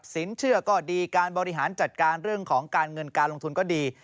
สินเชื่อก็ดีการบริหารจัดการเรื่องของการเงินการลงทุนก็ดี